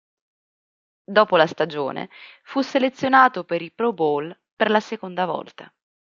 Dopo la stagione fu selezionato per i Pro Bowl per la seconda volta.